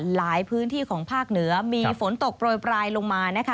หลายพื้นที่ของภาคเหนือมีฝนตกโปรยปลายลงมานะคะ